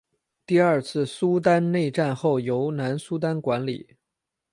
第二次苏丹内战后由南苏丹管理。